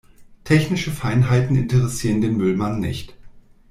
Technische Feinheiten interessieren den Müllmann nicht.